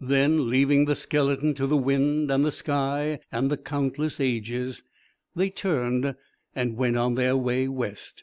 Then, leaving the skeleton to the wind and the sky and the countless ages, they turned and went on their way west.